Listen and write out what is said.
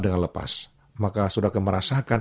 dengan lepas maka saudara aku merasakan